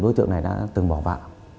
đối tượng này đã từng bỏ bạ